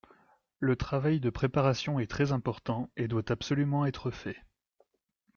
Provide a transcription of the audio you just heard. Le travail de préparation est très important et doit absolument être fait.